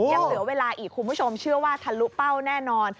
ยังเหลือเวลาอีกคุณผู้ชมเชื่อว่าทะลุเป้าแน่นอน